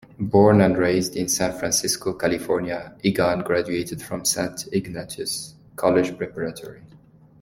Born and raised in San Francisco, California, Egan graduated from Saint Ignatius College Preparatory.